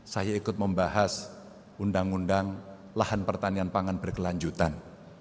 saya ikut membahas undang undang lahan pertanian pangan berkelanjutan